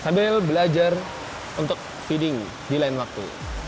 sambil belajar untuk feeding di lain waktu